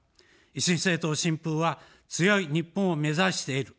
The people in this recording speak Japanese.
維新政党・新風は、強い日本を目指している。